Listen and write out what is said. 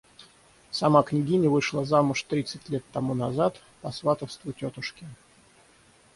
Сама княгиня вышла замуж тридцать лет тому назад, по сватовству тетушки.